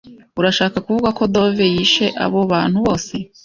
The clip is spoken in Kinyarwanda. Urashaka kuvuga ko Dove yishe abo bantu bose?